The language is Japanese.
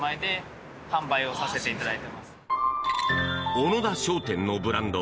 小野田商店のブランド